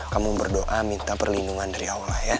kamu berdoa minta perlindungan dari allah ya